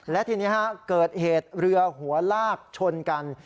และทีนี้เกิดเหตุเรือหัวลากชนกัน